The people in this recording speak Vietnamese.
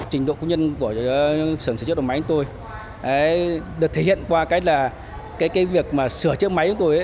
trình độ công nhân của sở sửa chữa đầu máy của tôi đều thể hiện qua cách là cái việc mà sửa chữa máy của tôi